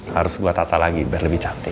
harus buat tata lagi biar lebih cantik